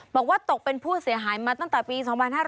บอกว่าตกเป็นผู้เสียหายมาตั้งแต่ปี๒๕๕๙